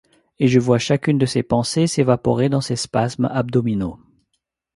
et je vois chacune de ces pensées s'évaporer dans ses spasmes abdominaux.